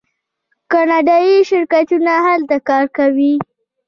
کاناډایی شرکتونه هلته کار کوي.